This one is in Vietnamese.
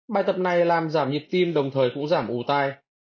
bài thập này làm giảm nhiệt tim đồng thời cũng giảm ưu tai